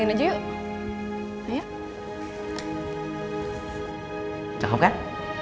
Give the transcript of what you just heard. nasi rames doang